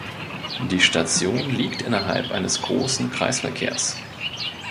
Die Station liegt innerhalb eines großen Kreisverkehrs.